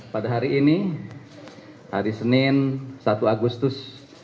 pada hari ini hari senin satu agustus dua ribu dua puluh dua